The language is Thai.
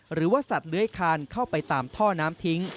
หรือว่าสัตว์เลื้อยคานเข้าไปตามท่อน้ำทิ้ง